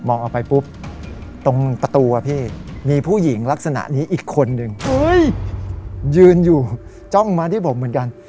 ออกไปปุ๊บตรงประตูอะพี่มีผู้หญิงลักษณะนี้อีกคนนึงยืนอยู่จ้องมาที่ผมเหมือนกัน